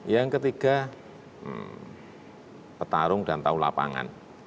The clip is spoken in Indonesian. yang ketiga petarung dan tahu lapangan